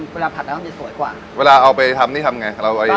ผัดแล้วมันจะสวยกว่าเวลาเอาไปทำนี่ทำไงเราเอาเอง